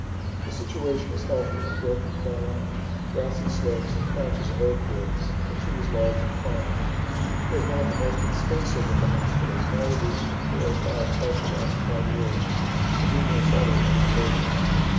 The situation is healthy, with broken ground, grassy slopes and patches of oak woods, the trees large and fine. It was one of the most extensive of the hospitals, now reduced to four or five partially occupied wards, the numerous others being vacant.